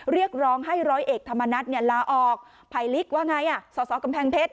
เรียกร้องให้ร้อยเอกธรรมนัฐลาออกภัยลิกว่าไงสอสอกำแพงเพชร